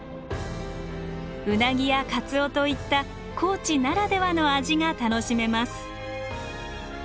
うなぎやかつおといった高知ならではの味が楽しめます。